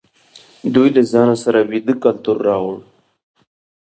دوی له ځان سره ویدي کلتور راوړ.